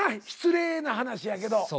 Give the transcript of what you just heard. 失礼な話やけど。